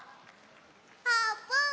あーぷん